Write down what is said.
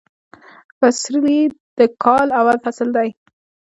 فسرلي د کال اول فصل دي